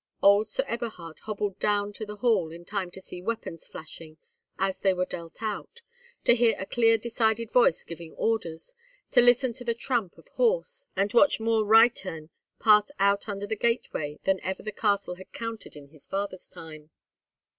Old Sir Eberhard hobbled down to the hall in time to see weapons flashing as they were dealt out, to hear a clear decided voice giving orders, to listen to the tramp of horse, and watch more reitern pass out under the gateway than ever the castle had counted in his father's time.